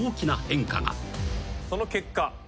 その結果。